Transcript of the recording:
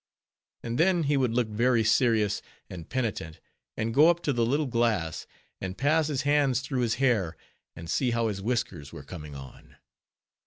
And then he would look very serious and penitent, and go up to the little glass, and pass his hands through his hair, and see how his whiskers were coming on.